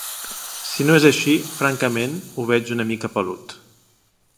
Si no és així, francament, ho veig una mica pelut.